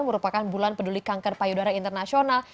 merupakan bulan peduli kanker payudara internasional